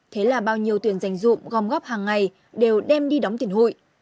thế là bao nhiêu tuyển dành dụng gom góp hàng ngày đều đem đi đóng tiền hụi